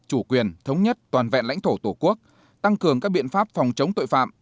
chủ quyền thống nhất toàn vẹn lãnh thổ tổ quốc tăng cường các biện pháp phòng chống tội phạm